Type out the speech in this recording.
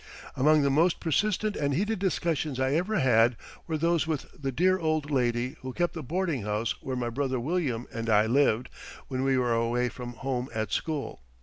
Among the most persistent and heated discussions I ever had were those with the dear old lady who kept the boarding house where my brother William and I lived when we were away from home at school.